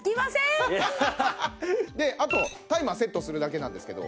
であとタイマーセットするだけなんですけど。